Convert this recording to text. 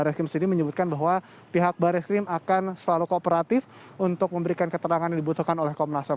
barat kepala sendiri menyebutkan bahwa pihak barat kepala akan selalu kooperatif untuk memberikan keterangan yang dibutuhkan oleh komnas ham